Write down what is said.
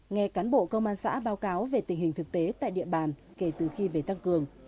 nghe cán bộ công an xã báo cáo về tình hình thực tế tại địa bàn kể từ khi về tăng cường